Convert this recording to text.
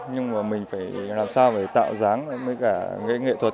nhưng mà mình phải làm sao để tạo dáng với cả nghệ thuật